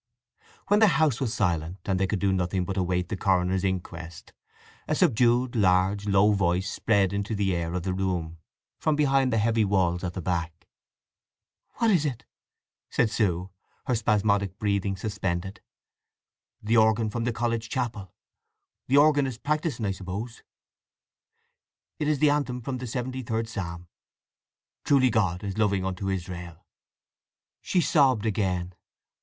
When the house was silent, and they could do nothing but await the coroner's inquest, a subdued, large, low voice spread into the air of the room from behind the heavy walls at the back. "What is it?" said Sue, her spasmodic breathing suspended. "The organ of the college chapel. The organist practising I suppose. It's the anthem from the seventy third Psalm; 'Truly God is loving unto Israel.'" She sobbed again.